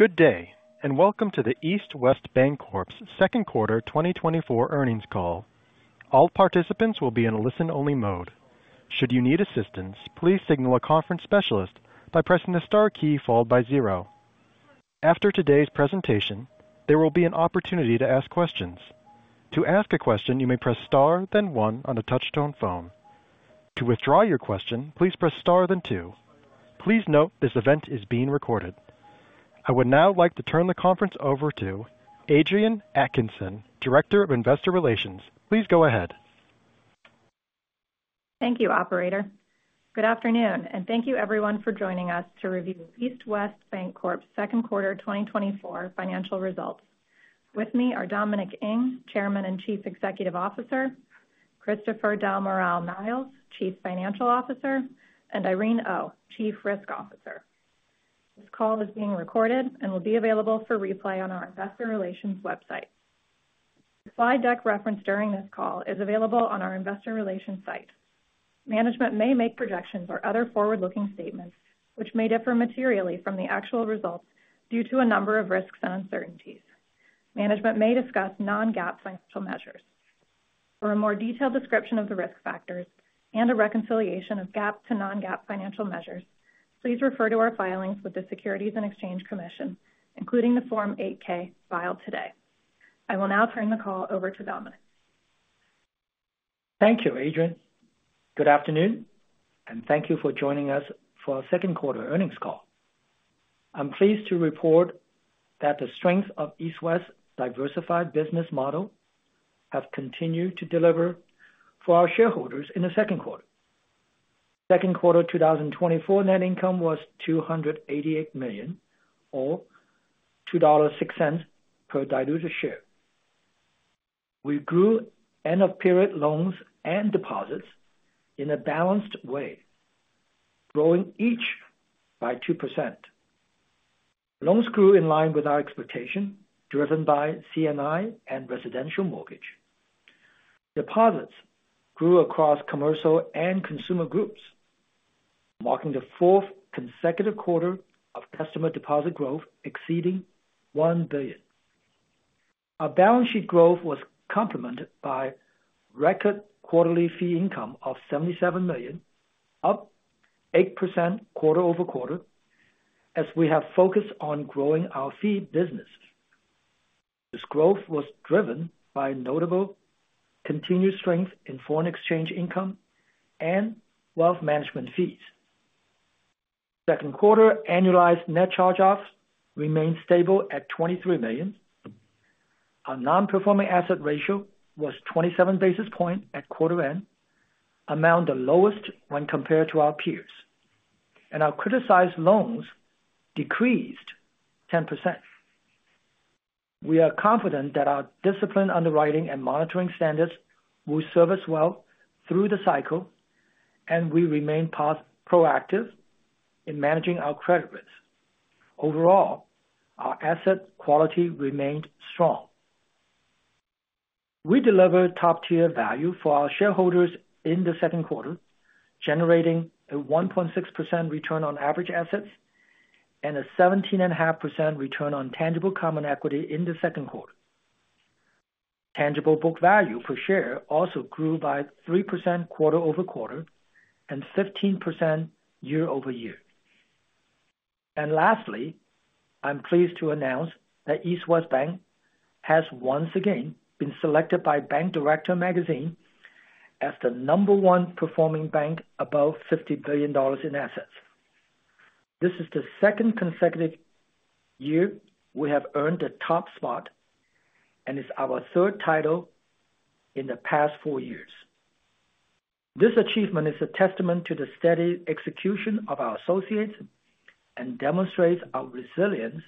Good day, and welcome to the East West Bancorp's second quarter 2024 earnings call. All participants will be in a listen-only mode. Should you need assistance, please signal a conference specialist by pressing the star key followed by zero. After today's presentation, there will be an opportunity to ask questions. To ask a question, you may press star, then one on a touch-tone phone. To withdraw your question, please press star, then two. Please note this event is being recorded. I would now like to turn the conference over to Adrienne Atkinson, Director of Investor Relations. Please go ahead. Thank you, Operator. Good afternoon, and thank you everyone for joining us to review East West Bancorp's second quarter 2024 financial results. With me are Dominic Ng, Chairman and Chief Executive Officer; Christopher Del Moral-Niles, Chief Financial Officer; and Irene Oh, Chief Risk Officer. This call is being recorded and will be available for replay on our Investor Relations website. The slide deck referenced during this call is available on our Investor Relations site. Management may make projections or other forward-looking statements, which may differ materially from the actual results due to a number of risks and uncertainties. Management may discuss non-GAAP financial measures. For a more detailed description of the risk factors and a reconciliation of GAAP to non-GAAP financial measures, please refer to our filings with the Securities and Exchange Commission, including the Form 8-K filed today. I will now turn the call over to Dominic. Thank you, Adrienne. Good afternoon, and thank you for joining us for our second quarter earnings call. I'm pleased to report that the strength of East West's diversified business model has continued to deliver for our shareholders in the second quarter. Second quarter 2024 net income was $288 million, or $2.06 per diluted share. We grew end-of-period loans and deposits in a balanced way, growing each by 2%. Loans grew in line with our expectation, driven by C&I and residential mortgage. Deposits grew across commercial and consumer groups, marking the fourth consecutive quarter of customer deposit growth exceeding $1 billion. Our balance sheet growth was complemented by record quarterly fee income of $77 million, up 8% quarter over quarter, as we have focused on growing our fee business. This growth was driven by notable continued strength in foreign exchange income and wealth management fees. Second quarter annualized net charge-offs remained stable at $23 million. Our non-performing asset ratio was 27 basis points at quarter-end, among the lowest when compared to our peers, and our criticized loans decreased 10%. We are confident that our disciplined underwriting and monitoring standards will serve well through the cycle, and we remain proactive in managing our credit risk. Overall, our asset quality remained strong. We delivered top-tier value for our shareholders in the second quarter, generating a 1.6% return on average assets and a 17.5% return on tangible common equity in the second quarter. Tangible book value per share also grew by 3% quarter-over-quarter and 15% year-over-year. And lastly, I'm pleased to announce that East West Bank has once again been selected by Bank Director magazine as the number one performing bank above $50 billion in assets. This is the second consecutive year we have earned the top spot and is our third title in the past four years. This achievement is a testament to the steady execution of our associates and demonstrates our resilience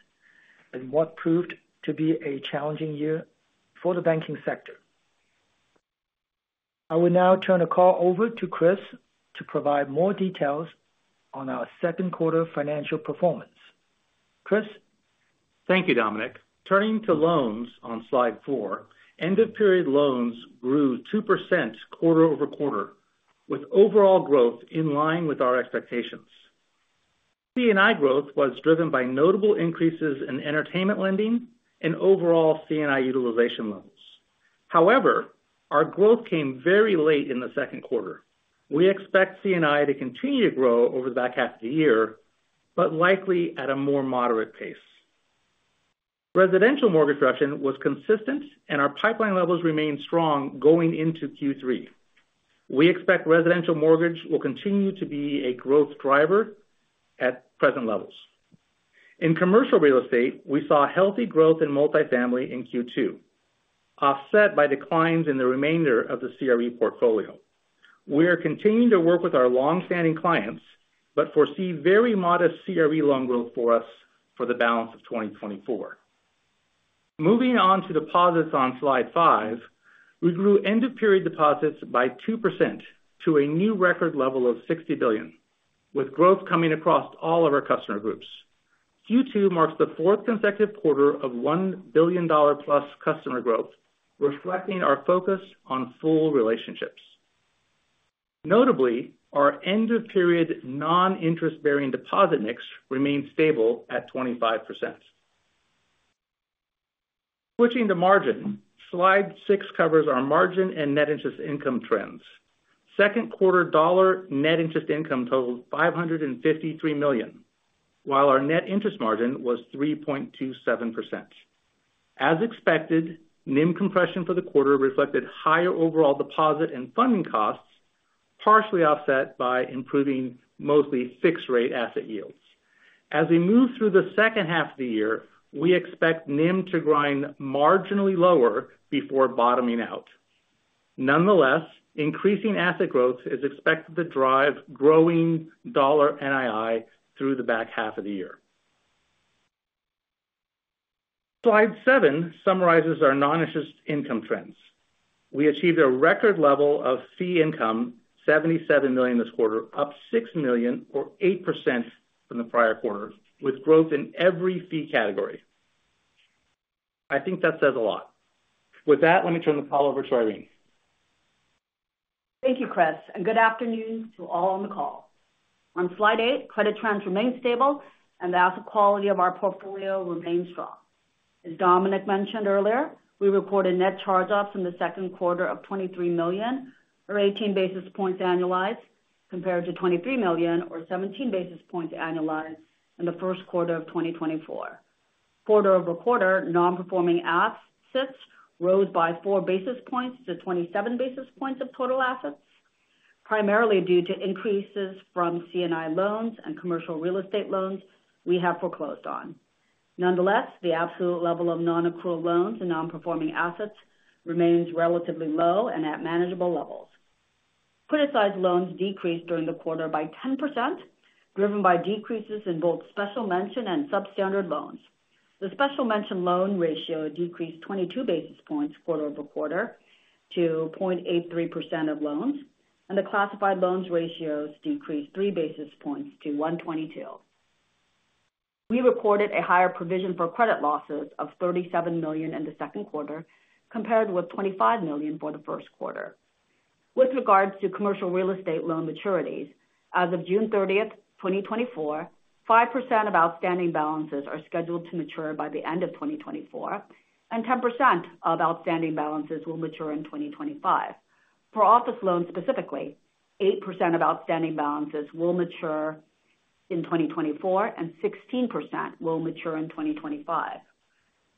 in what proved to be a challenging year for the banking sector. I will now turn the call over to Chris to provide more details on our second quarter financial performance. Chris. Thank you, Dominic. Turning to loans on slide 4, end-of-period loans grew 2% quarter over quarter, with overall growth in line with our expectations. C&I growth was driven by notable increases in entertainment lending and overall C&I utilization levels. However, our growth came very late in the second quarter. We expect C&I to continue to grow over the back half of the year, but likely at a more moderate pace. Residential mortgage production was consistent, and our pipeline levels remained strong going into Q3. We expect residential mortgage will continue to be a growth driver at present levels. In commercial real estate, we saw healthy growth in multifamily in Q2, offset by declines in the remainder of the CRE portfolio. We are continuing to work with our longstanding clients, but foresee very modest CRE loan growth for us for the balance of 2024. Moving on to deposits on slide five, we grew end-of-period deposits by 2% to a new record level of $60 billion, with growth coming across all of our customer groups. Q2 marks the fourth consecutive quarter of $1 billion-plus customer growth, reflecting our focus on full relationships. Notably, our end-of-period non-interest-bearing deposit mix remained stable at 25%. Switching to margin, slide six covers our margin and net interest income trends. Second quarter dollar net interest income totaled $553 million, while our net interest margin was 3.27%. As expected, NIM compression for the quarter reflected higher overall deposit and funding costs, partially offset by improving mostly fixed-rate asset yields. As we move through the second half of the year, we expect NIM to grind marginally lower before bottoming out. Nonetheless, increasing asset growth is expected to drive growing dollar NII through the back half of the year. Slide seven summarizes our non-interest income trends. We achieved a record level of fee income, $77 million this quarter, up $6 million, or 8% from the prior quarter, with growth in every fee category. I think that says a lot. With that, let me turn the call over to Irene. Thank you, Chris, and good afternoon to all on the call. On slide eight, credit trends remain stable, and the asset quality of our portfolio remains strong. As Dominic mentioned earlier, we recorded net charge-offs in the second quarter of $23 million, or 18 basis points annualized, compared to $23 million, or 17 basis points annualized, in the first quarter of 2024. Quarter-over-quarter, non-performing assets rose by four basis points to 27 basis points of total assets, primarily due to increases from C&I loans and commercial real estate loans we have foreclosed on. Nonetheless, the absolute level of non-accrual loans and non-performing assets remains relatively low and at manageable levels. Criticized loans decreased during the quarter by 10%, driven by decreases in both special mention and substandard loans. The special mention loan ratio decreased 22 basis points quarter-over-quarter to 0.83% of loans, and the classified loans ratios decreased 3 basis points to 122. We recorded a higher provision for credit losses of $37 million in the second quarter, compared with $25 million for the first quarter. With regards to commercial real estate loan maturities, as of June 30, 2024, 5% of outstanding balances are scheduled to mature by the end of 2024, and 10% of outstanding balances will mature in 2025. For office loans specifically, 8% of outstanding balances will mature in 2024, and 16% will mature in 2025.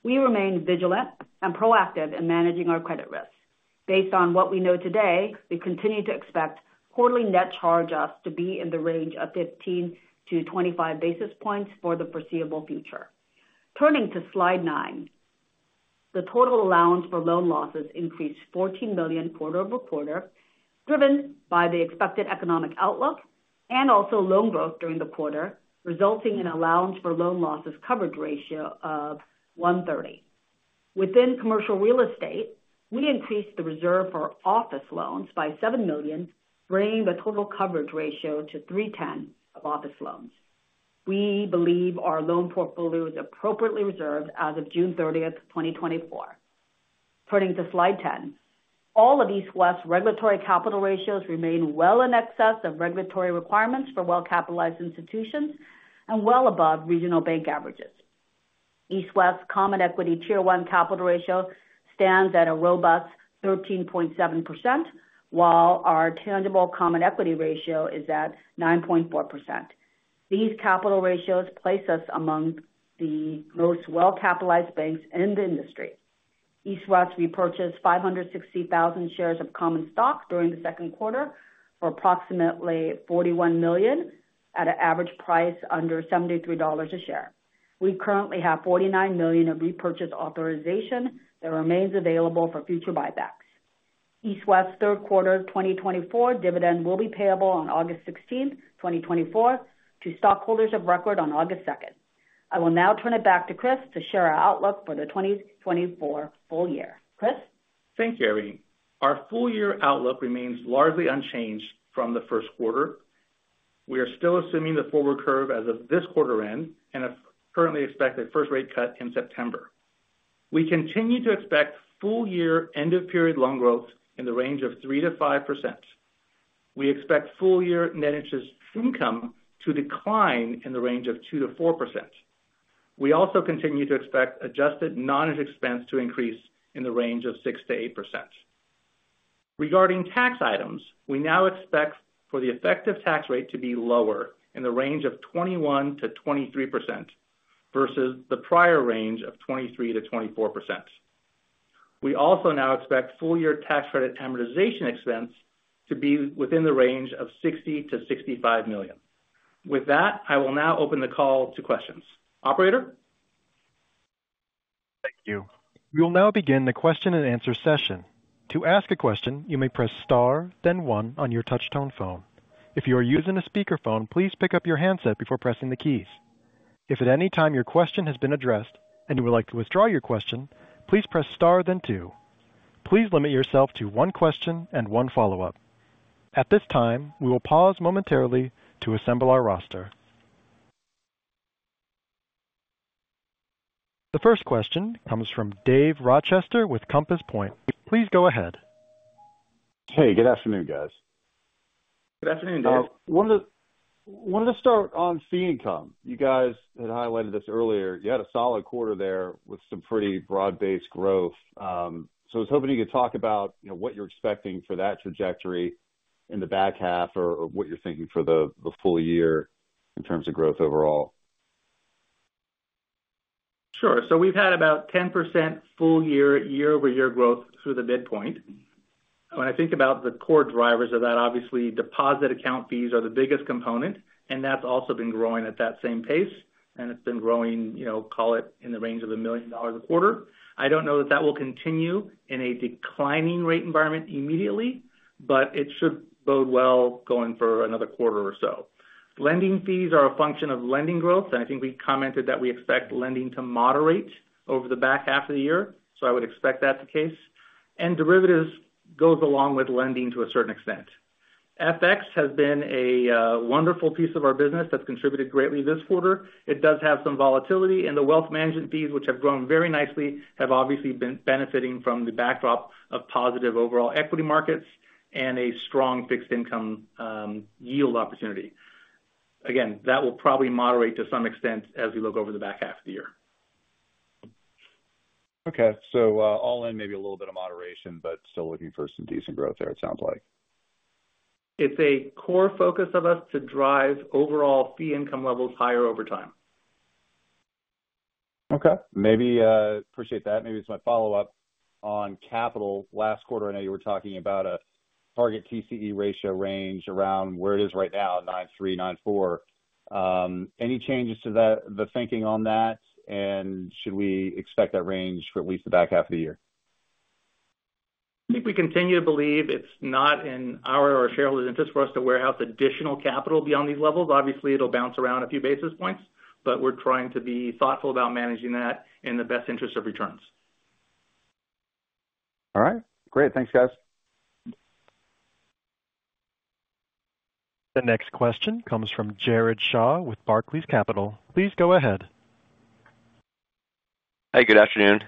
We remain vigilant and proactive in managing our credit risk. Based on what we know today, we continue to expect quarterly net charge-offs to be in the range of 15-25 basis points for the foreseeable future. Turning to slide 9, the total allowance for loan losses increased $14 million quarter over quarter, driven by the expected economic outlook and also loan growth during the quarter, resulting in allowance for loan losses coverage ratio of 130. Within commercial real estate, we increased the reserve for office loans by $7 million, bringing the total coverage ratio to 310 of office loans. We believe our loan portfolio is appropriately reserved as of June 30, 2024. Turning to slide 10, all of East West's regulatory capital ratios remain well in excess of regulatory requirements for well-capitalized institutions and well above regional bank averages. East West's Common Equity Tier 1 capital ratio stands at a robust 13.7%, while our Tangible Common Equity ratio is at 9.4%. These capital ratios place us among the most well-capitalized banks in the industry. East West repurchased 560,000 shares of common stock during the second quarter for approximately $41 million at an average price under $73 a share. We currently have $49 million of repurchase authorization that remains available for future buybacks. East West's third quarter 2024 dividend will be payable on August 16, 2024, to stockholders of record on August 2. I will now turn it back to Chris to share our outlook for the 2024 full year. Chris. Thank you, Irene. Our full year outlook remains largely unchanged from the first quarter. We are still assuming the forward curve as of this quarter-end and a currently expected first rate cut in September. We continue to expect full year end-of-period loan growth in the range of 3%-5%. We expect full year net interest income to decline in the range of 2%-4%. We also continue to expect adjusted non-interest expense to increase in the range of 6%-8%. Regarding tax items, we now expect for the effective tax rate to be lower in the range of 21%-23% versus the prior range of 23%-24%. We also now expect full year tax credit amortization expense to be within the range of $60 million-$65 million. With that, I will now open the call to questions. Operator. Thank you. We will now begin the question and answer session. To ask a question, you may press star, then one on your touch-tone phone. If you are using a speakerphone, please pick up your handset before pressing the keys. If at any time your question has been addressed and you would like to withdraw your question, please press star, then two. Please limit yourself to one question and one follow-up. At this time, we will pause momentarily to assemble our roster. The first question comes from Dave Rochester with Compass Point. Please go ahead. Hey, good afternoon, guys. Good afternoon, Dave. I wanted to start on fee income. You guys had highlighted this earlier. You had a solid quarter there with some pretty broad-based growth. So I was hoping you could talk about what you're expecting for that trajectory in the back half or what you're thinking for the full year in terms of growth overall. Sure. So we've had about 10% full year year-over-year growth through the midpoint. When I think about the core drivers of that, obviously, deposit account fees are the biggest component, and that's also been growing at that same pace, and it's been growing, call it, in the range of $1 million a quarter. I don't know that that will continue in a declining rate environment immediately, but it should bode well going for another quarter or so. Lending fees are a function of lending growth, and I think we commented that we expect lending to moderate over the back half of the year, so I would expect that's the case. And derivatives go along with lending to a certain extent. FX has been a wonderful piece of our business that's contributed greatly this quarter. It does have some volatility, and the wealth management fees, which have grown very nicely, have obviously been benefiting from the backdrop of positive overall equity markets and a strong fixed-income yield opportunity. Again, that will probably moderate to some extent as we look over the back half of the year. Okay. So all in, maybe a little bit of moderation, but still looking for some decent growth there, it sounds like. It's a core focus of us to drive overall fee income levels higher over time. Okay. Appreciate that. Maybe it's my follow-up on capital. Last quarter, I know you were talking about a target TCE ratio range around where it is right now, 9.3-9.4. Any changes to the thinking on that, and should we expect that range for at least the back half of the year? I think we continue to believe it's not in our or shareholders' interest for us to warehouse additional capital beyond these levels. Obviously, it'll bounce around a few basis points, but we're trying to be thoughtful about managing that in the best interest of returns. All right. Great. Thanks, guys. The next question comes from Jared Shaw with Barclays Capital. Please go ahead. Hey, good afternoon.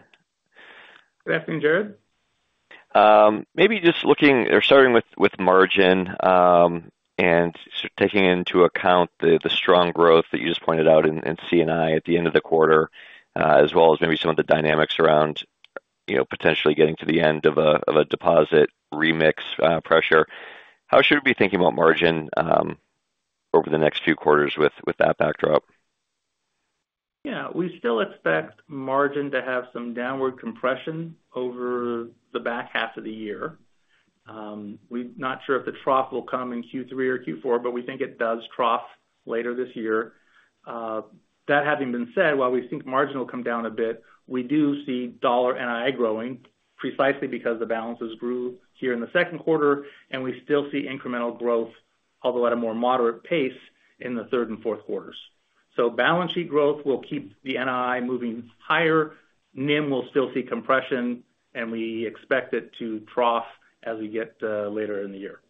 Good afternoon, Jared. Maybe just looking or starting with margin and taking into account the strong growth that you just pointed out in C&I at the end of the quarter, as well as maybe some of the dynamics around potentially getting to the end of a deposit remix pressure. How should we be thinking about margin over the next few quarters with that backdrop? Yeah. We still expect margin to have some downward compression over the back half of the year. We're not sure if the trough will come in Q3 or Q4, but we think it does trough later this year. That having been said, while we think margin will come down a bit, we do see dollar NII growing precisely because the balances grew here in the second quarter, and we still see incremental growth, although at a more moderate pace, in the third and fourth quarters. So balance sheet growth will keep the NII moving higher. NIM will still see compression, and we expect it to trough as we get later in the year.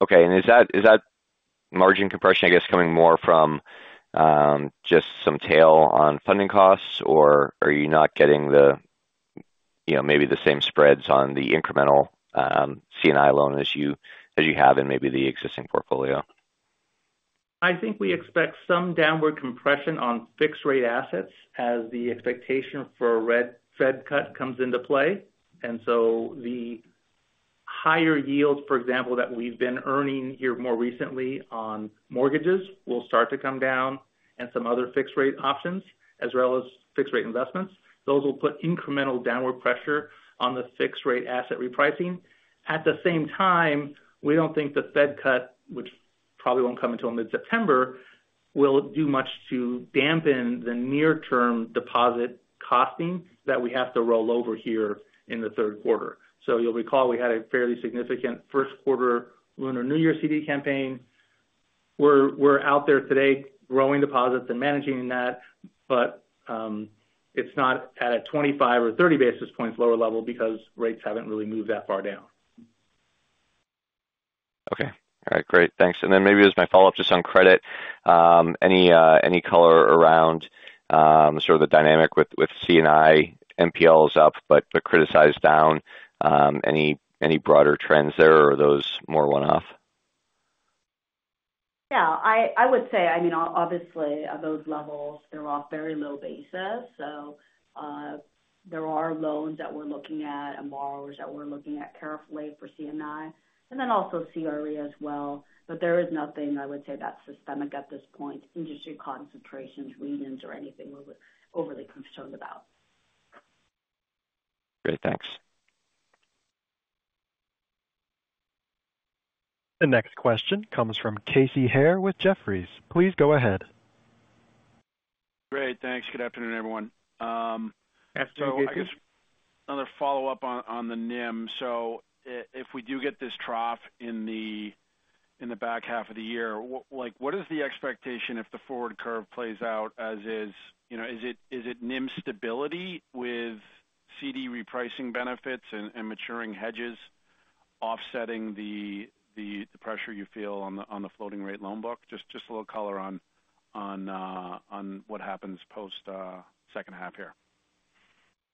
Okay. Is that margin compression, I guess, coming more from just some tail on funding costs, or are you not getting maybe the same spreads on the incremental C&I loan as you have in maybe the existing portfolio? I think we expect some downward compression on fixed-rate assets as the expectation for a Fed cut comes into play. And so the higher yield, for example, that we've been earning here more recently on mortgages will start to come down, and some other fixed-rate options, as well as fixed-rate investments, those will put incremental downward pressure on the fixed-rate asset repricing. At the same time, we don't think the Fed cut, which probably won't come until mid-September, will do much to dampen the near-term deposit costing that we have to roll over here in the third quarter. So you'll recall we had a fairly significant first-quarter Lunar New Year CD campaign. We're out there today growing deposits and managing that, but it's not at a 25 or 30 basis points lower level because rates haven't really moved that far down. Okay. All right. Great. Thanks. And then maybe as my follow-up just on credit, any color around sort of the dynamic with C&I NPLs up but criticized down? Any broader trends there, or are those more one-off? Yeah. I would say, I mean, obviously, at those levels, they're off very low basis. So there are loans that we're looking at and borrowers that we're looking at carefully for C&I, and then also CRE as well. But there is nothing, I would say, that's systemic at this point. Industry concentrations, regions, or anything we're overly concerned about. Great. Thanks. The next question comes from Casey Haire with Jefferies. Please go ahead. Great. Thanks. Good afternoon, everyone. Good afternoon. So I guess another follow-up on the NIM. So if we do get this trough in the back half of the year, what is the expectation if the forward curve plays out as is? Is it NIM stability with CD repricing benefits and maturing hedges offsetting the pressure you feel on the floating-rate loan book? Just a little color on what happens post second half here.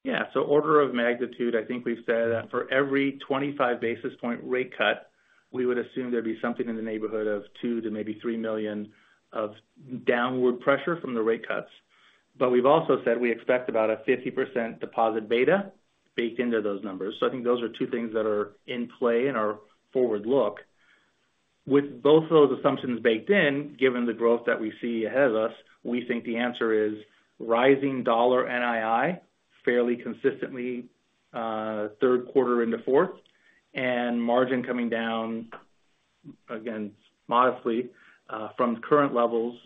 Yeah. So order of magnitude, I think we've said that for every 25 basis point rate cut, we would assume there'd be something in the neighborhood of $2 million to maybe $3 million of downward pressure from the rate cuts. But we've also said we expect about a 50% deposit beta baked into those numbers. So I think those are two things that are in play in our forward look. With both of those assumptions baked in, given the growth that we see ahead of us, we think the answer is rising dollar NII fairly consistently third quarter into fourth, and margin coming down, again, modestly from current levels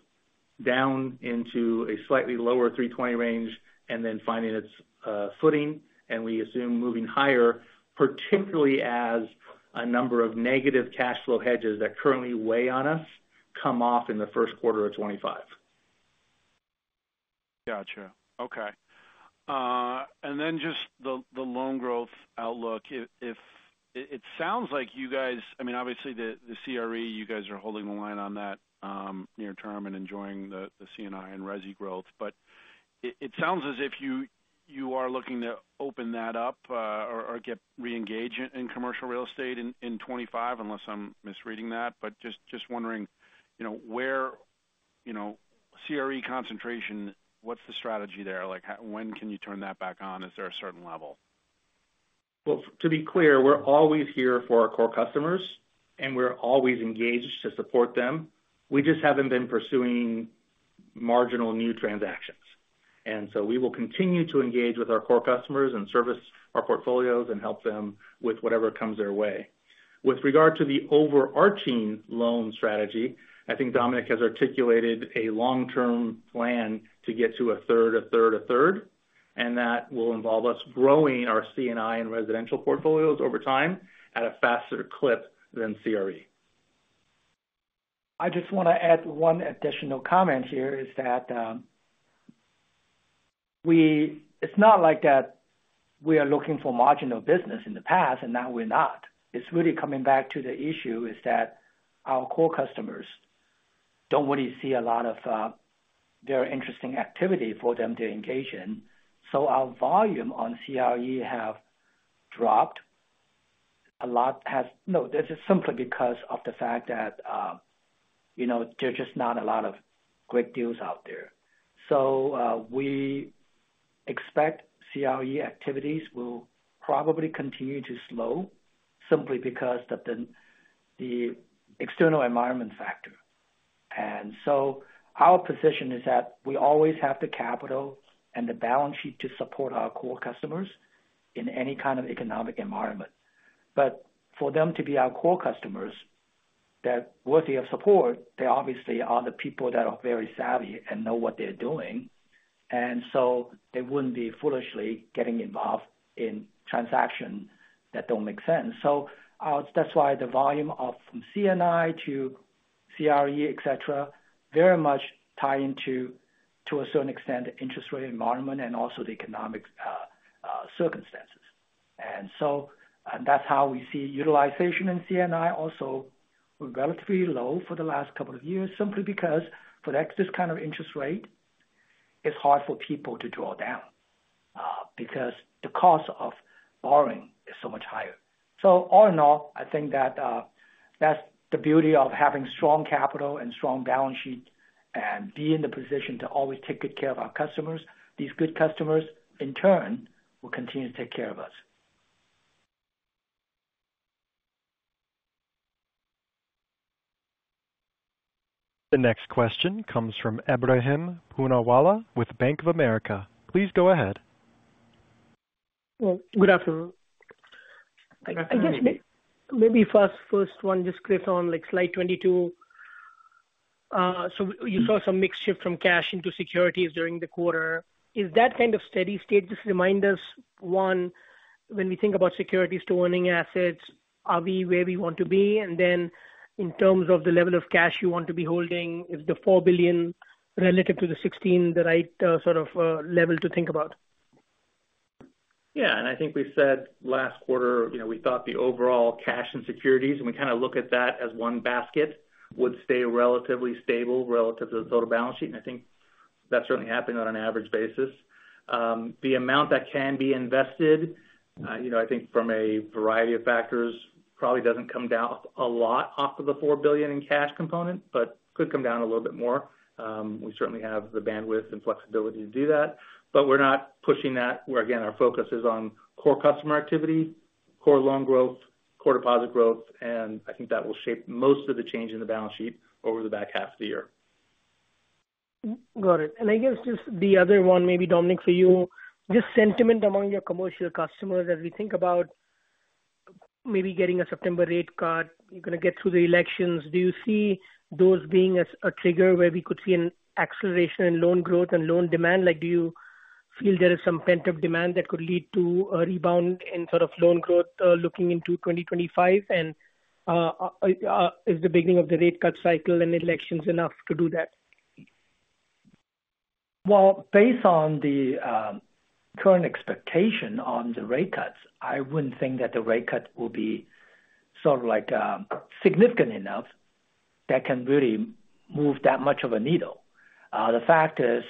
down into a slightly lower 320 range and then finding its footing. And we assume moving higher, particularly as a number of negative cash flow hedges that currently weigh on us come off in the first quarter of 2025. Gotcha. Okay. And then just the loan growth outlook. It sounds like you guys—I mean, obviously, the CRE, you guys are holding the line on that near term and enjoying the C&I and Resi growth. But it sounds as if you are looking to open that up or get re-engaged in commercial real estate in 2025, unless I'm misreading that. But just wondering, where CRE concentration, what's the strategy there? When can you turn that back on? Is there a certain level? Well, to be clear, we're always here for our core customers, and we're always engaged to support them. We just haven't been pursuing marginal new transactions. So we will continue to engage with our core customers and service our portfolios and help them with whatever comes their way. With regard to the overarching loan strategy, I think Dominic has articulated a long-term plan to get to a third, a third, a third, and that will involve us growing our C&I and residential portfolios over time at a faster clip than CRE. I just want to add one additional comment here, is that it's not like that we are looking for marginal business in the past, and now we're not. It's really coming back to the issue, is that our core customers don't really see a lot of very interesting activity for them to engage in. So our volume on CRE have dropped a lot. No, this is simply because of the fact that there's just not a lot of great deals out there. So we expect CRE activities will probably continue to slow simply because of the external environment factor. And so our position is that we always have the capital and the balance sheet to support our core customers in any kind of economic environment. But for them to be our core customers that are worthy of support, they obviously are the people that are very savvy and know what they're doing. And so they wouldn't be foolishly getting involved in transactions that don't make sense. So that's why the volume of C&I to CRE, etc., very much tie into, to a certain extent, the interest rate environment and also the economic circumstances. And so that's how we see utilization in C&I also relatively low for the last couple of years, simply because for this kind of interest rate, it's hard for people to draw down because the cost of borrowing is so much higher. So all in all, I think that that's the beauty of having strong capital and strong balance sheet and being in the position to always take good care of our customers. These good customers, in turn, will continue to take care of us. The next question comes from Ebrahim Poonawala with Bank of America. Please go ahead. Well, good afternoon. I guess maybe first one, just click on slide 22. So you saw some mixed shift from cash into securities during the quarter. Is that kind of steady state? Just remind us, one, when we think about securities to owning assets, are we where we want to be? And then in terms of the level of cash you want to be holding, is the $4 billion relative to the $16 billion the right sort of level to think about? Yeah. And I think we said last quarter, we thought the overall cash and securities, and we kind of look at that as one basket, would stay relatively stable relative to the total balance sheet. And I think that's certainly happening on an average basis. The amount that can be invested, I think from a variety of factors, probably doesn't come down a lot off of the $4 billion in cash component, but could come down a little bit more. We certainly have the bandwidth and flexibility to do that. But we're not pushing that. Again, our focus is on core customer activity, core loan growth, core deposit growth, and I think that will shape most of the change in the balance sheet over the back half of the year. Got it. And I guess just the other one, maybe, Dominic, for you, just sentiment among your commercial customers as we think about maybe getting a September rate cut. You're going to get through the elections. Do you see those being a trigger where we could see an acceleration in loan growth and loan demand? Do you feel there is some pent-up demand that could lead to a rebound in sort of loan growth looking into 2025? And is the beginning of the rate cut cycle and elections enough to do that? Well, based on the current expectation on the rate cuts, I wouldn't think that the rate cut will be sort of significant enough that can really move that much of a needle. The fact is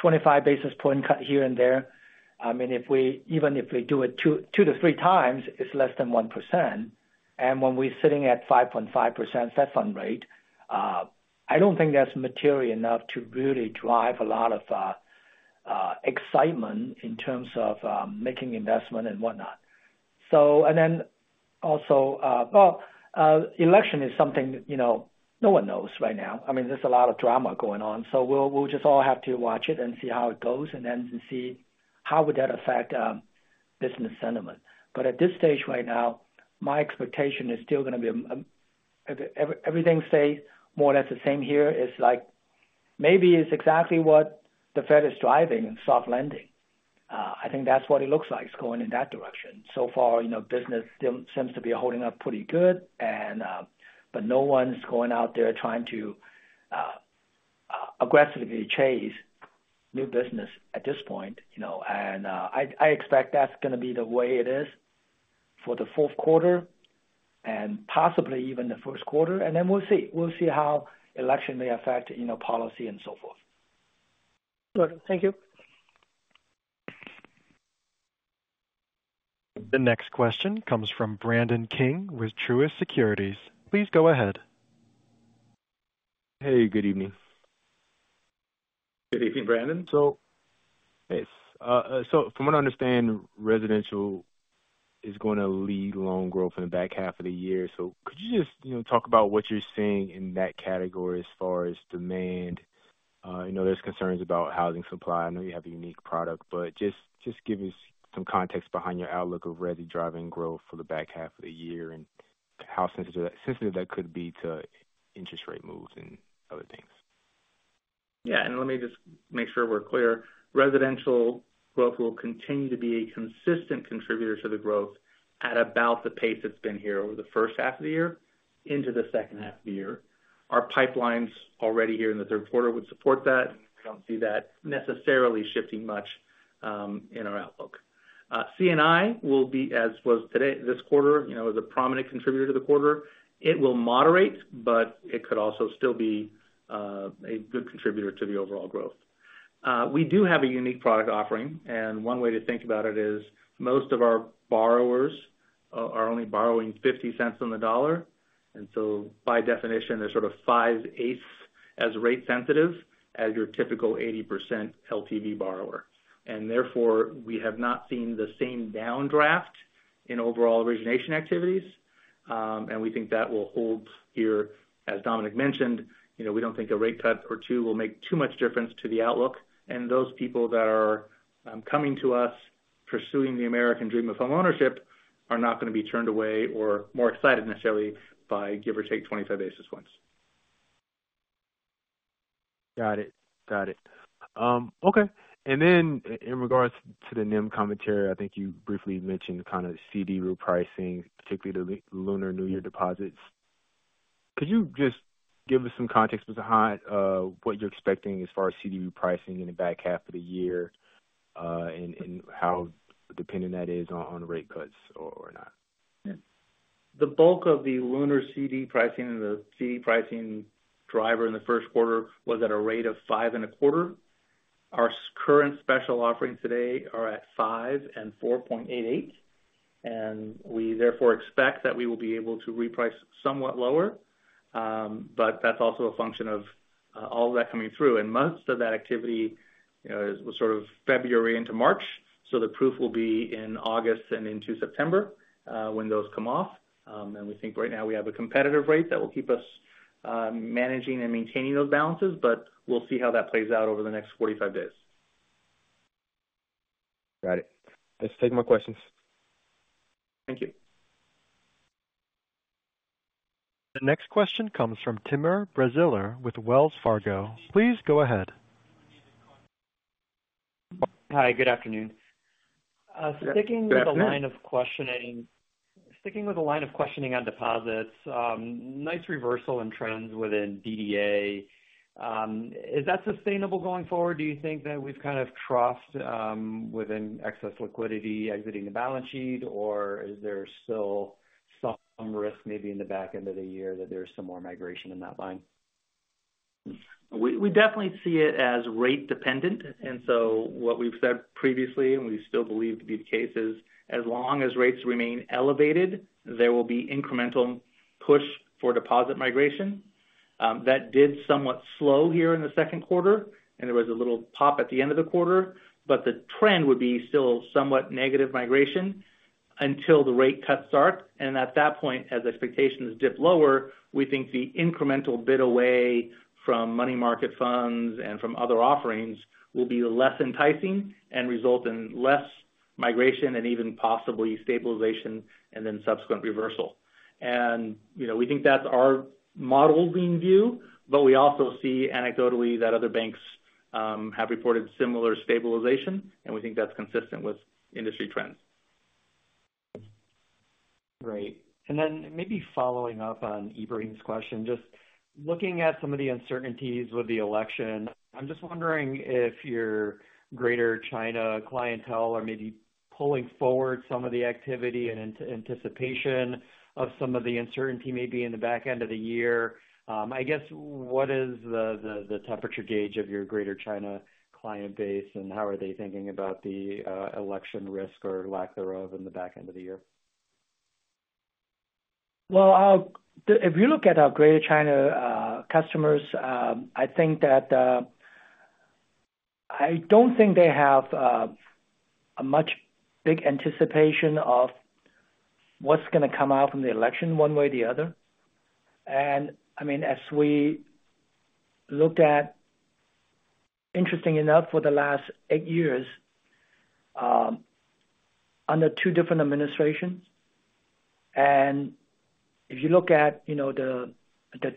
25 basis point cut here and there, I mean, even if we do it two to three times, it's less than 1%. And when we're sitting at 5.5% Fed fund rate, I don't think that's material enough to really drive a lot of excitement in terms of making investment and whatnot. And then also, well, election is something no one knows right now. I mean, there's a lot of drama going on. So we'll just all have to watch it and see how it goes and ends and see how would that affect business sentiment. But at this stage right now, my expectation is still going to be everything stays more or less the same here. It's like maybe it's exactly what the Fed is driving, soft landing. I think that's what it looks like is going in that direction. So far, business seems to be holding up pretty good, but no one's going out there trying to aggressively chase new business at this point. I expect that's going to be the way it is for the fourth quarter and possibly even the first quarter. Then we'll see. We'll see how election may affect policy and so forth. Got it. Thank you. The next question comes from Brandon King with Truist Securities. Please go ahead. Hey, good evening. Good evening, Brandon. From what I understand, residential is going to lead loan growth in the back half of the year. So could you just talk about what you're seeing in that category as far as demand? I know there's concerns about housing supply. I know you have a unique product, but just give us some context behind your outlook of really driving growth for the back half of the year and how sensitive that could be to interest rate moves and other things. Yeah. And let me just make sure we're clear. Residential growth will continue to be a consistent contributor to the growth at about the pace it's been here over the first half of the year into the second half of the year. Our pipelines already here in the third quarter would support that. We don't see that necessarily shifting much in our outlook. C&I will be, as was this quarter, a prominent contributor to the quarter. It will moderate, but it could also still be a good contributor to the overall growth. We do have a unique product offering. And one way to think about it is most of our borrowers are only borrowing 50 cents on the dollar. And so by definition, they're sort of 5/8ths as rate sensitive as your typical 80% LTV borrower. And therefore, we have not seen the same downdraft in overall origination activities. We think that will hold here. As Dominic mentioned, we don't think a rate cut or two will make too much difference to the outlook. Those people that are coming to us pursuing the American dream of homeownership are not going to be turned away or more excited necessarily by give or take 25 basis points. Got it. Got it. Okay. And then in regards to the NIM commentary, I think you briefly mentioned kind of CD repricing, particularly the Lunar New Year deposits. Could you just give us some context behind what you're expecting as far as CD repricing in the back half of the year and how dependent that is on rate cuts or not? The bulk of the lunar CD pricing and the CD pricing driver in the first quarter was at a rate of 5.25. Our current special offerings today are at 5 and 4.88. And we therefore expect that we will be able to reprice somewhat lower. But that's also a function of all of that coming through. And most of that activity was sort of February into March. So the proof will be in August and into September when those come off. And we think right now we have a competitive rate that will keep us managing and maintaining those balances, but we'll see how that plays out over the next 45 days. Got it. Thanks for taking my questions. Thank you. The next question comes from Timur Braziler with Wells Fargo. Please go ahead. Hi. Good afternoon. Sticking with the line of questioning on deposits, nice reversal in trends within DDA. Is that sustainable going forward? Do you think that we've kind of troughed within excess liquidity exiting the balance sheet, or is there still some risk maybe in the back end of the year that there's some more migration in that line? We definitely see it as rate dependent. And so what we've said previously, and we still believe to be the case, is as long as rates remain elevated, there will be incremental push for deposit migration. That did somewhat slow here in the second quarter, and there was a little pop at the end of the quarter, but the trend would be still somewhat negative migration until the rate cuts start. At that point, as expectations dip lower, we think the incremental bit away from money market funds and from other offerings will be less enticing and result in less migration and even possibly stabilization and then subsequent reversal. And we think that's our modeling view, but we also see anecdotally that other banks have reported similar stabilization, and we think that's consistent with industry trends. Great. And then maybe following up on Ebrahim question, just looking at some of the uncertainties with the election, I'm just wondering if your Greater China clientele are maybe pulling forward some of the activity and anticipation of some of the uncertainty maybe in the back end of the year. I guess what is the temperature gauge of your Greater China client base, and how are they thinking about the election risk or lack thereof in the back end of the year? Well, if you look at our Greater China customers, I think that I don't think they have a much big anticipation of what's going to come out from the election one way or the other. And I mean, as we looked at, interesting enough, for the last eight years under two different administrations. And if you look at the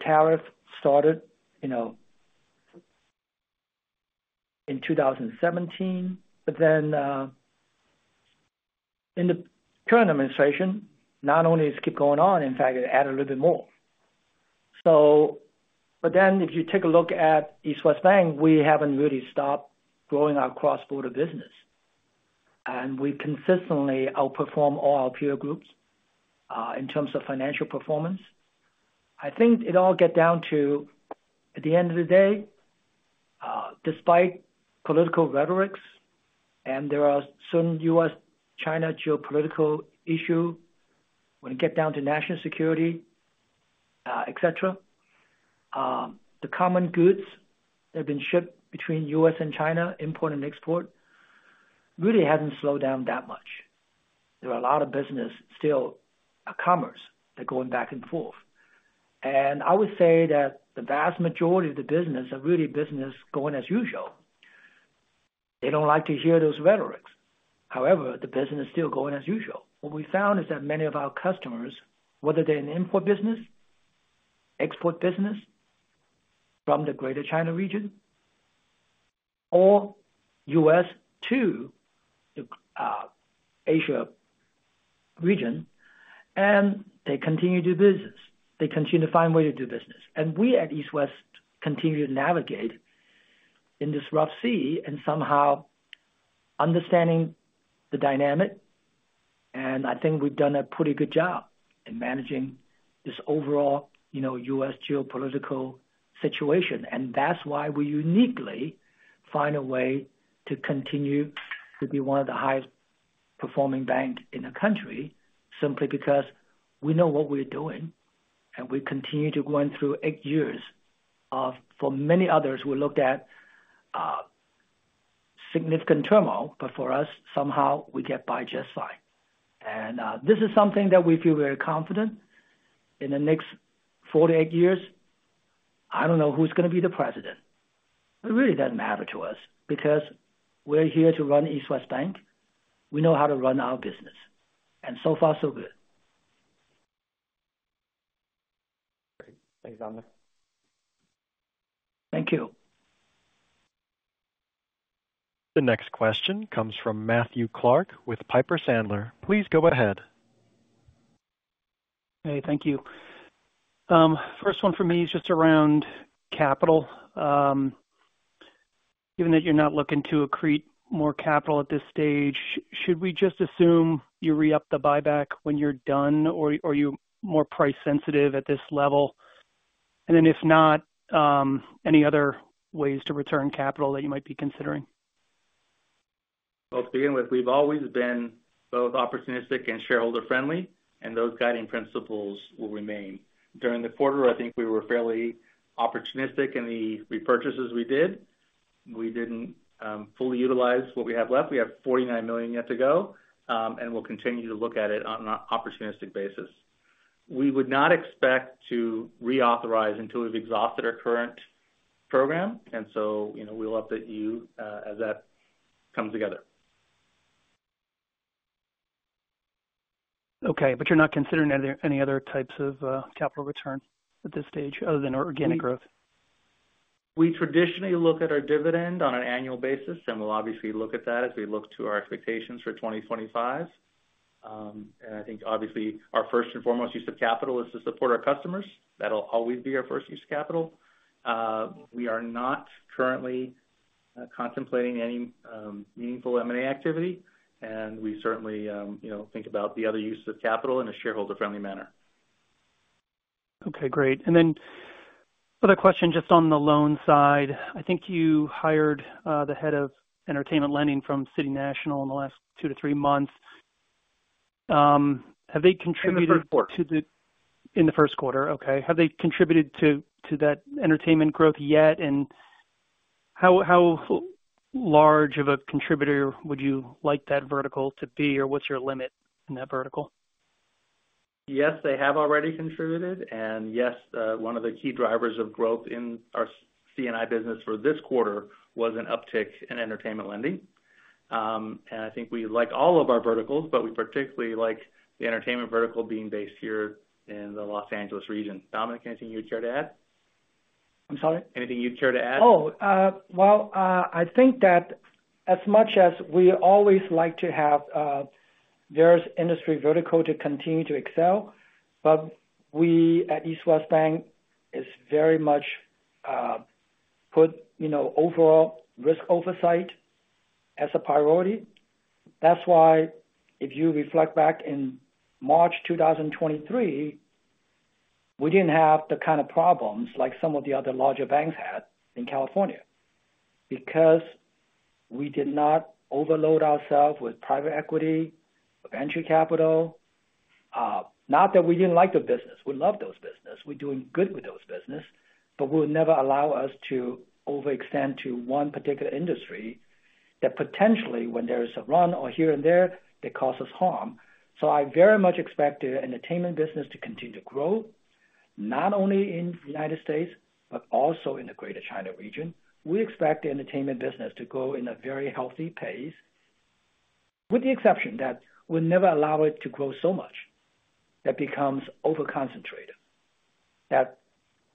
tariff started in 2017, but then in the current administration, not only has it kept going on, in fact, it added a little bit more. But then if you take a look at East West Bank, we haven't really stopped growing our cross-border business. And we consistently outperform all our peer groups in terms of financial performance. I think it all gets down to, at the end of the day, despite political rhetorics, and there are certain U.S.-China geopolitical issues when it gets down to national security, etc., the common goods that have been shipped between U.S. and China, import and export, really hasn't slowed down that much. There are a lot of business still, commerce, that are going back and forth. I would say that the vast majority of the business are really business going as usual. They don't like to hear those rhetorics. However, the business is still going as usual. What we found is that many of our customers, whether they're in import business, export business from the Greater China region, or U.S. to Asia region, and they continue to do business. They continue to find ways to do business. We at East West continue to navigate in this rough sea and somehow understanding the dynamic. I think we've done a pretty good job in managing this overall U.S. geopolitical situation. That's why we uniquely find a way to continue to be one of the highest performing banks in the country simply because we know what we're doing. We continue to go through 8 years of, for many others, we looked at significant turmoil, but for us, somehow we get by just fine. This is something that we feel very confident in the next fout to eight years. I don't know who's going to be the president. It really doesn't matter to us because we're here to run East West Bank. We know how to run our business. So far, so good. Great. Thanks, Dominic. Thank you. The next question comes from Matthew Clark with Piper Sandler. Please go ahead. Hey, thank you. First one for me is just around capital. Given that you're not looking to accrete more capital at this stage, should we just assume you re-up the buyback when you're done, or are you more price sensitive at this level? And then if not, any other ways to return capital that you might be considering? Well, to begin with, we've always been both opportunistic and shareholder-friendly, and those guiding principles will remain. During the quarter, I think we were fairly opportunistic in the repurchases we did. We didn't fully utilize what we have left. We have $49 million yet to go, and we'll continue to look at it on an opportunistic basis. We would not expect to reauthorize until we've exhausted our current program. And so we'll update you as that comes together. Okay. But you're not considering any other types of capital return at this stage other than organic growth? We traditionally look at our dividend on an annual basis, and we'll obviously look at that as we look to our expectations for 2025. I think obviously our first and foremost use of capital is to support our customers. That'll always be our first use of capital. We are not currently contemplating any meaningful M&A activity, and we certainly think about the other uses of capital in a shareholder-friendly manner. Okay. Great. And then another question just on the loan side. I think you hired the head of entertainment lending from City National in the last 2-3 months. Have they contributed? In the first quarter. In the first quarter. Okay. Have they contributed to that entertainment growth yet? And how large of a contributor would you like that vertical to be, or what's your limit in that vertical? Yes, they have already contributed. And yes, one of the key drivers of growth in our C&I business for this quarter was an uptick in entertainment lending. And I think we like all of our verticals, but we particularly like the entertainment vertical being based here in the Los Angeles region. Dominic, anything you'd care to add? I'm sorry? Anything you'd care to add? Oh, well, I think that as much as we always like to have various industry verticals to continue to excel, but we at East West Bank is very much put overall risk oversight as a priority. That's why if you reflect back in March 2023, we didn't have the kind of problems like some of the other larger banks had in California because we did not overload ourselves with private equity, venture capital. Not that we didn't like the business. We love those businesses. We're doing good with those businesses, but we would never allow us to overextend to one particular industry that potentially, when there is a run or here and there, it causes harm. So I very much expect the entertainment business to continue to grow, not only in the United States, but also in the Greater China region. We expect the entertainment business to grow in a very healthy pace, with the exception that we'll never allow it to grow so much that becomes overconcentrated that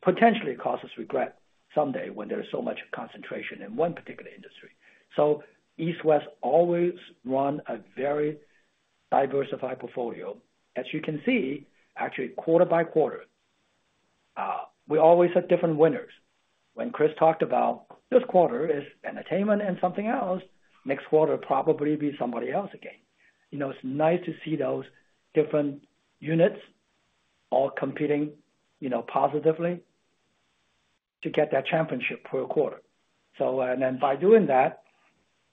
potentially causes regret someday when there's so much concentration in one particular industry. So East West always runs a very diversified portfolio. As you can see, actually, quarter by quarter, we always have different winners. When Chris talked about this quarter is entertainment and something else, next quarter will probably be somebody else again. It's nice to see those different units all competing positively to get that championship per quarter. And then by doing that,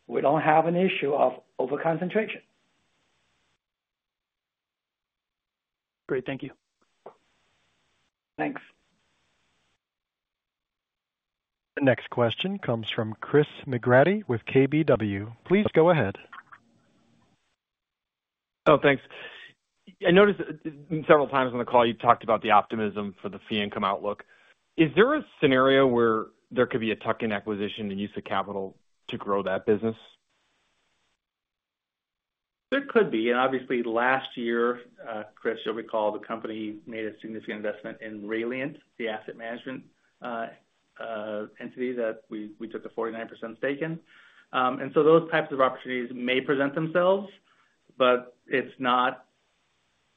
we don't have an issue of overconcentration. Great. Thank you. Thanks. The next question comes from Chris McGratty with KBW. Please go ahead. Oh, thanks. I noticed several times on the call you talked about the optimism for the fee-income outlook. Is there a scenario where there could be a tuck-in acquisition and use of capital to grow that business? There could be. Obviously, last year, Chris, you'll recall the company made a significant investment in Rayliant, the asset management entity that we took a 49% stake in. So those types of opportunities may present themselves, but it's not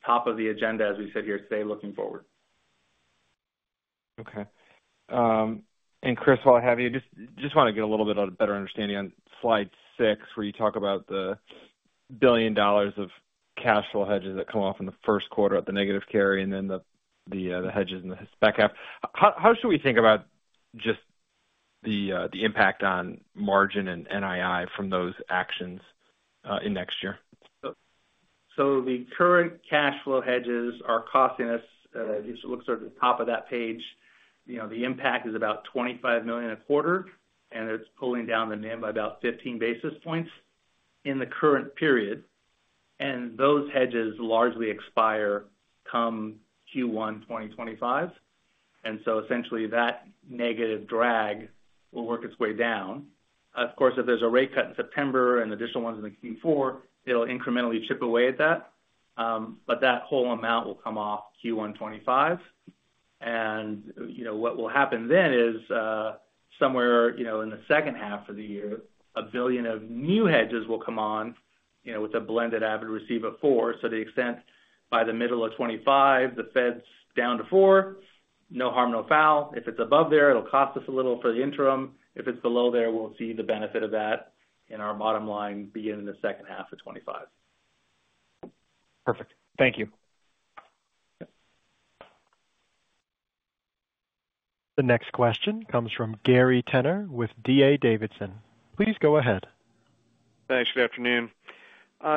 top of the agenda, as we sit here today, looking forward. Okay. And Chris, while I have you, just want to get a little bit of a better understanding on slide 6 where you talk about the $1 billion of cash flow hedges that come off in the first quarter at the negative carry and then the hedges in the second half. How should we think about just the impact on margin and NII from those actions in next year? So the current cash flow hedges are costing us, if you look sort of at the top of that page, the impact is about $25 million a quarter, and it's pulling down the NIM by about 15 basis points in the current period. And those hedges largely expire come Q1 2025. And so essentially, that negative drag will work its way down. Of course, if there's a rate cut in September and additional ones in the Q4, it'll incrementally chip away at that. But that whole amount will come off Q1 2025. And what will happen then is somewhere in the second half of the year, $1 billion of new hedges will come on with a blended average receipt of 4. So to the extent, by the middle of 2025, the Fed's down to 4, no harm, no foul. If it's above there, it'll cost us a little for the interim. If it's below there, we'll see the benefit of that in our bottom line beginning in the second half of 2025. Perfect. Thank you. The next question comes from Gary Tenner with DA Davidson. Please go ahead. Thanks. Good afternoon.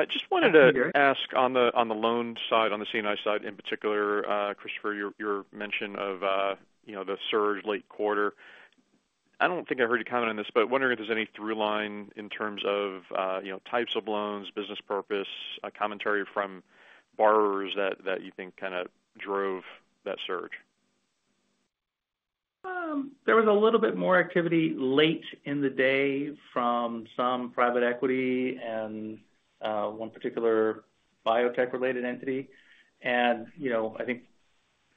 Just wanted to ask on the loan side, on the C&I side in particular, Christopher, your mention of the surge late quarter. I don't think I heard you comment on this, but wondering if there's any through line in terms of types of loans, business purpose, commentary from borrowers that you think kind of drove that surge. There was a little bit more activity late in the day from some private equity and one particular biotech-related entity. And I think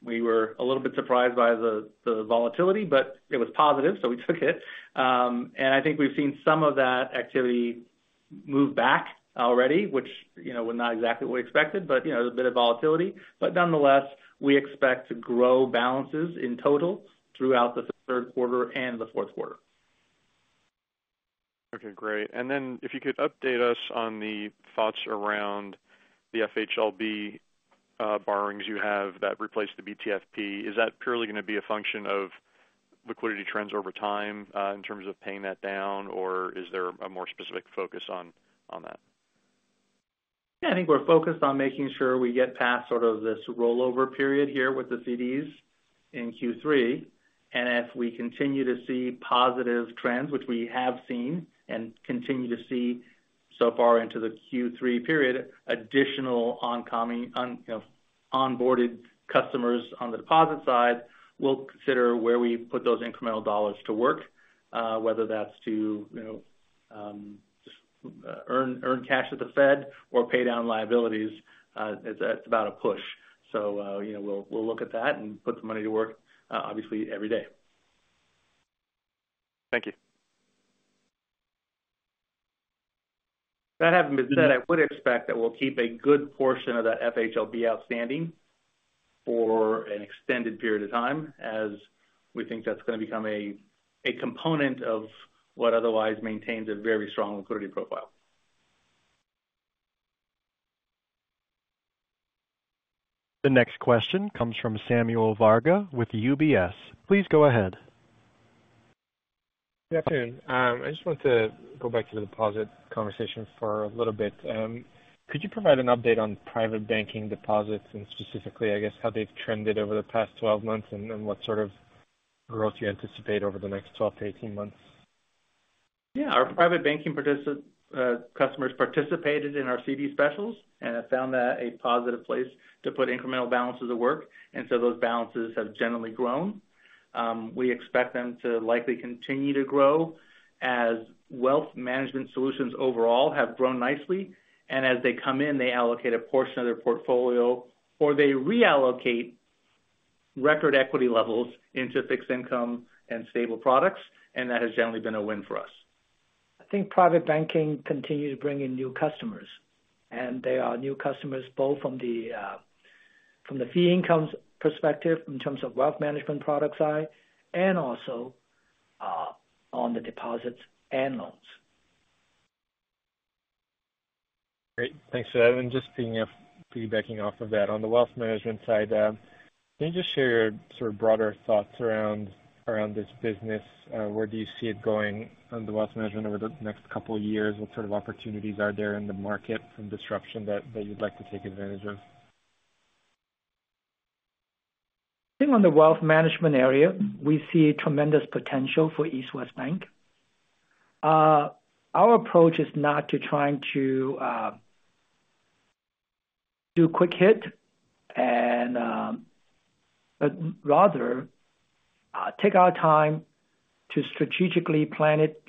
we were a little bit surprised by the volatility, but it was positive, so we took it. And I think we've seen some of that activity move back already, which was not exactly what we expected, but a bit of volatility. But nonetheless, we expect to grow balances in total throughout the third quarter and the fourth quarter. Okay. Great. And then if you could update us on the thoughts around the FHLB borrowings you have that replace the BTFP, is that purely going to be a function of liquidity trends over time in terms of paying that down, or is there a more specific focus on that? Yeah. I think we're focused on making sure we get past sort of this rollover period here with the CDs in Q3. And as we continue to see positive trends, which we have seen and continue to see so far into the Q3 period, additional onboarded customers on the deposit side, we'll consider where we put those incremental dollars to work, whether that's to just earn cash at the Fed or pay down liabilities. It's about a push. So we'll look at that and put the money to work, obviously, every day. Thank you. That having been said, I would expect that we'll keep a good portion of that FHLB outstanding for an extended period of time as we think that's going to become a component of what otherwise maintains a very strong liquidity profile. The next question comes from Samuel Varga with UBS. Please go ahead. Good afternoon. I just want to go back to the deposit conversation for a little bit. Could you provide an update on private banking deposits and specifically, I guess, how they've trended over the past 12 months and what sort of growth you anticipate over the next 12 to 18 months? Yeah. Our private banking customers participated in our CD specials and have found that a positive place to put incremental balances at work. And so those balances have generally grown. We expect them to likely continue to grow as wealth management solutions overall have grown nicely. And as they come in, they allocate a portion of their portfolio or they reallocate record equity levels into fixed income and stable products. And that has generally been a win for us. I think private banking continues to bring in new customers. They are new customers both from the fee-income perspective in terms of wealth management product side and also on the deposits and loans. Great. Thanks for that. And just bouncing off of that, on the wealth management side, can you just share your sort of broader thoughts around this business? Where do you see it going on the wealth management over the next couple of years? What sort of opportunities are there in the market from disruption that you'd like to take advantage of? I think on the wealth management area, we see tremendous potential for East West Bank. Our approach is not to try to do quick hit, but rather take our time to strategically plan it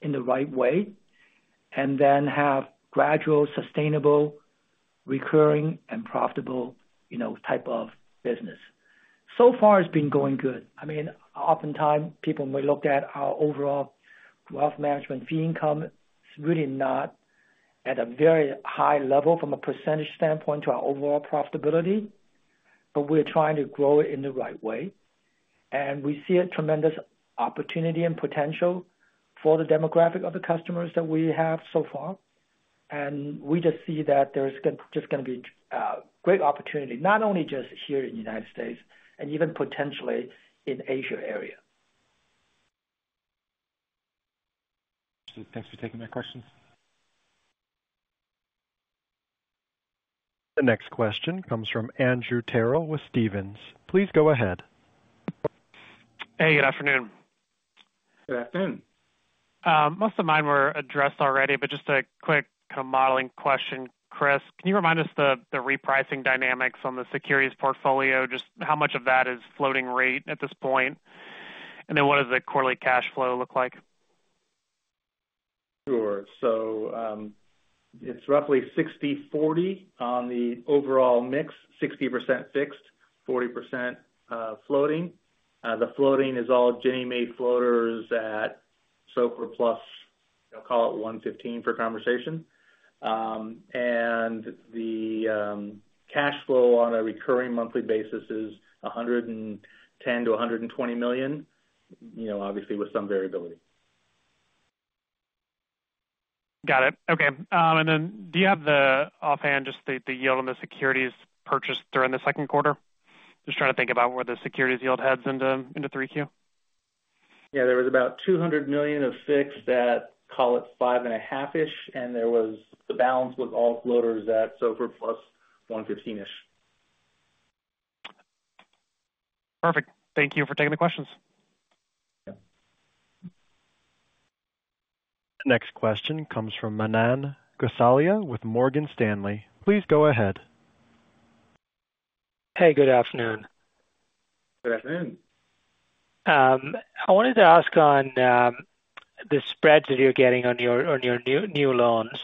in the right way and then have gradual, sustainable, recurring, and profitable type of business. So far, it's been going good. I mean, oftentimes, people may look at our overall wealth management fee income. It's really not at a very high level from a percentage standpoint to our overall profitability, but we're trying to grow it in the right way. We see a tremendous opportunity and potential for the demographic of the customers that we have so far. We just see that there's just going to be great opportunity, not only just here in the United States and even potentially in the Asia area. Thanks for taking my questions. The next question comes from Andrew Terrell with Stephens. Please go ahead. Hey. Good afternoon. Good afternoon. Most of mine were addressed already, but just a quick kind of modeling question, Chris. Can you remind us the repricing dynamics on the securities portfolio? Just how much of that is floating rate at this point? And then what does the quarterly cash flow look like? Sure. It's roughly 60/40 on the overall mix, 60% fixed, 40% floating. The floating is all Ginnie Mae floaters at SOFR plus, I'll call it 115 for conversation. And the cash flow on a recurring monthly basis is $110 million-$120 million, obviously, with some variability. Got it. Okay. And then do you have it offhand, just the yield on the securities purchased during the second quarter? Just trying to think about where the securities yield heads into 3Q. Yeah. There was about $200 million of fixed at, call it 5.5%-ish. And the balance was all floaters at SOFR plus 115-ish. Perfect. Thank you for taking the questions. Yeah. The next question comes from Manan Gosalia with Morgan Stanley. Please go ahead. Hey. Good afternoon. Good afternoon. I wanted to ask on the spreads that you're getting on your new loans.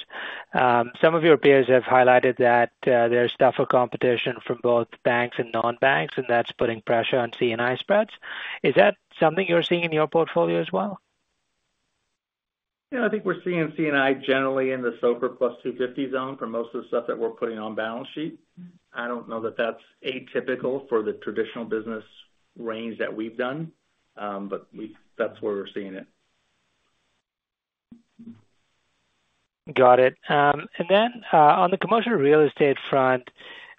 Some of your peers have highlighted that there's tougher competition from both banks and non-banks, and that's putting pressure on C&I spreads. Is that something you're seeing in your portfolio as well? Yeah. I think we're seeing C&I generally in the SOFR plus 250 zone for most of the stuff that we're putting on balance sheet. I don't know that that's atypical for the traditional business range that we've done, but that's where we're seeing it. Got it. And then on the commercial real estate front,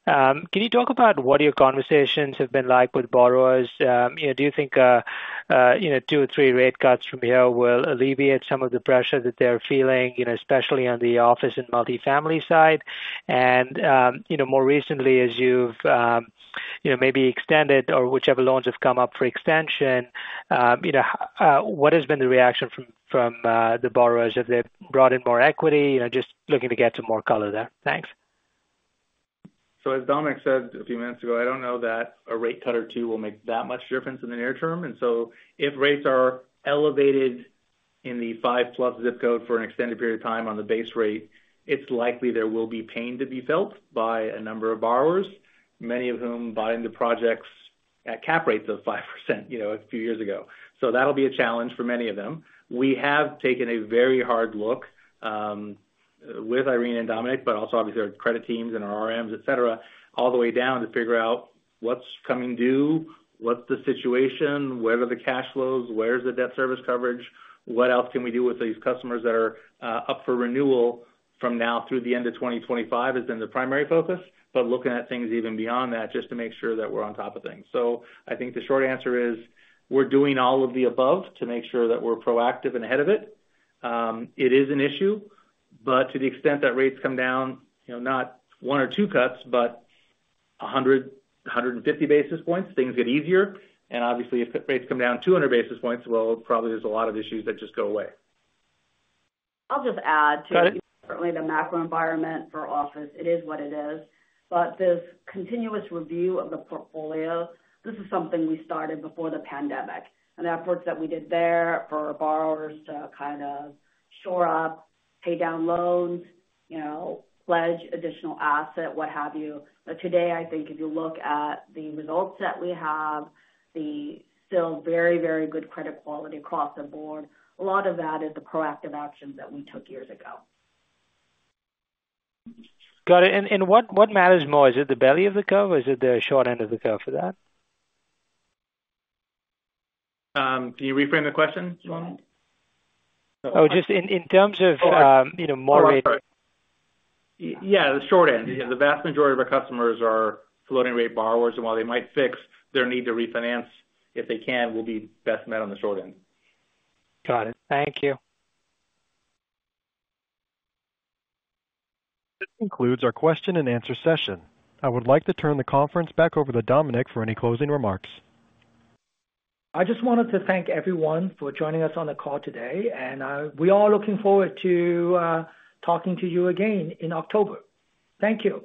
can you talk about what your conversations have been like with borrowers? Do you think two or three rate cuts from here will alleviate some of the pressure that they're feeling, especially on the office and multifamily side? And more recently, as you've maybe extended or whichever loans have come up for extension, what has been the reaction from the borrowers? Have they brought in more equity? Just looking to get some more color there. Thanks. As Dominic said a few minutes ago, I don't know that a rate cut or two will make that much difference in the near term. If rates are elevated in the 5-plus zip code for an extended period of time on the base rate, it's likely there will be pain to be felt by a number of borrowers, many of whom bought into projects at cap rates of 5% a few years ago. That'll be a challenge for many of them. We have taken a very hard look with Irene Oh and Dominic Ng, but also, obviously, our credit teams and our RMs, etc., all the way down to figure out what's coming due, what's the situation, where are the cash flows, where's the debt service coverage, what else can we do with these customers that are up for renewal from now through the end of 2025 has been the primary focus, but looking at things even beyond that just to make sure that we're on top of things. So I think the short answer is we're doing all of the above to make sure that we're proactive and ahead of it. It is an issue, but to the extent that rates come down, not one or two cuts, but 100, 150 basis points, things get easier. Obviously, if rates come down 200 basis points, well, probably there's a lot of issues that just go away. I'll just add too. Got it. Certainly, the macro environment for office, it is what it is. But this continuous review of the portfolio, this is something we started before the pandemic. And the efforts that we did there for borrowers to kind of shore up, pay down loans, pledge additional asset, what have you. But today, I think if you look at the results that we have, it's still very, very good credit quality across the board, a lot of that is the proactive actions that we took years ago. Got it. What matters more? Is it the belly of the curve or is it the short end of the curve for that? Can you reframe the question? Oh, just in terms of more rate. Yeah. The short end. The vast majority of our customers are floating-rate borrowers. While they might fix, their need to refinance, if they can, will be best met on the short end. Got it. Thank you. This concludes our question-and-answer session. I would like to turn the conference back over to Dominic for any closing remarks. I just wanted to thank everyone for joining us on the call today. We are looking forward to talking to you again in October. Thank you.